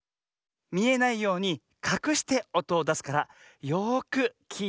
みえないようにかくしておとをだすからよくきいてね。